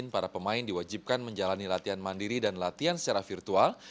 para pemain diwajibkan menjalani latihan mandiri dan latihan secara virtual